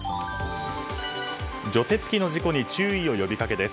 除雪機の事故に注意を呼びかけです。